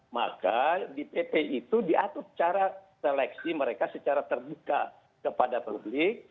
maka di pp itu diatur cara seleksi mereka secara terbuka kepada publik